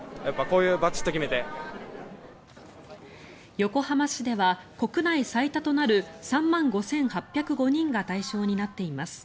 横浜市では国内最多となる３万５８０５人が対象になっています。